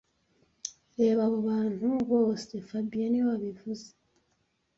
Reba abo bantu bose fabien niwe wabivuze